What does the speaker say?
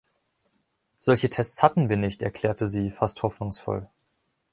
„Solche Tests hatten wir nicht“, erklärte sie fast hoffnungsvoll.